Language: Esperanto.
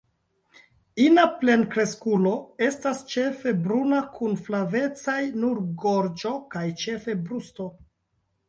Ina plenkreskulo estas ĉefe bruna kun flavecaj nur gorĝo kaj ĉefe brusto.